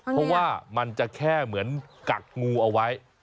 เพราะว่ามันจะแค่เหมือนกักงูเอาไว้